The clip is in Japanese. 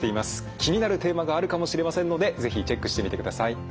気になるテーマがあるかもしれませんので是非チェックしてみてください。